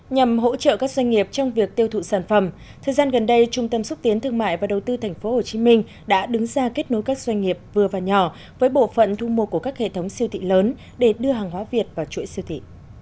nhằm hỗ trợ các doanh nghiệp trong việc tiêu thụ sản phẩm thời gian gần đây trung tâm xúc tiến thương mại và đầu tư tp hcm đã đứng ra kết nối các doanh nghiệp vừa và nhỏ với bộ phận thu mua của các hệ thống siêu thị lớn để đưa hàng hóa việt vào chuỗi siêu thị